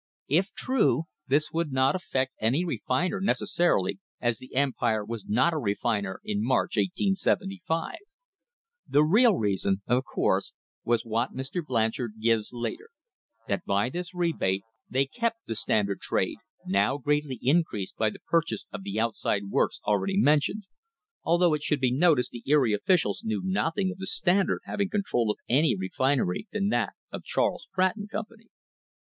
If true, this would not affect any refiner necessarily as the Empire was not a refiner in March, 1875. The real reason, of course, was what Mr. Blanchard gives later — that by this rebate they kept the Standard trade, now greatly increased by the purchase of the outside works already mentioned, although it should be noticed the Erie officials knew nothing of the Standard having control of any other refinery than that of Charles Pratt and Company.